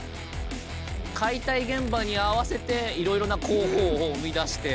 解体現場に合わせていろいろな工法を生み出して。